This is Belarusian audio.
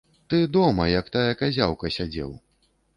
Ты дома, як тая казяўка, сядзеў.